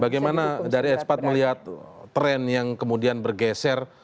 bagaimana dari ekspat melihat tren yang kemudian bergeser